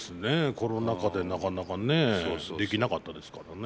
コロナ禍でなかなかねできなかったですからね。